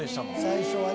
最初はね。